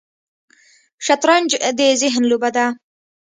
شطرنج د ذهن لوبه ده